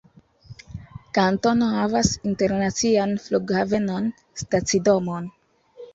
Kantono havas internacian flughavenon, stacidomon.